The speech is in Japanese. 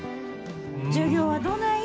授業はどない？